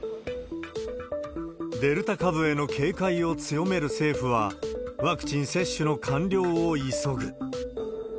デルタ株への警戒を強める政府は、ワクチン接種の完了を急ぐ。